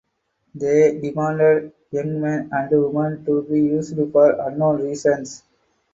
They demanded young men and women to be used for unknown reasons.